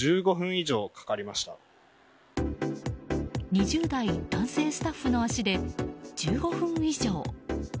２０代男性スタッフの足で１５分以上。